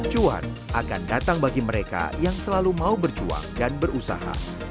cuan akan datang bagi mereka yang selalu mau berjuang dan berusaha